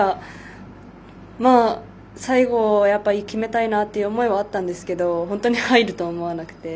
最後、決めたいなって思いはあったんですけど本当に入るとは思わなくて。